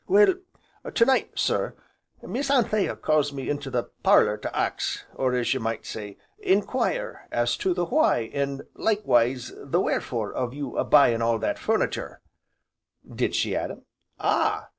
"Well, to night, sir, Miss Anthea calls me into the parlour to ax, or as you might say, en quire as to the why, an' likewise the wherefore of you a buyin' all that furnitur'." "Did she, Adam?" "Ah!